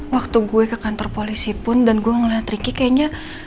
waktu gue ke kantor polisi pun dan gue ngeliat ricky kayaknya